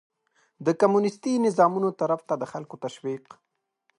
د کمونيستي نظامونو طرف ته د خلکو تشويق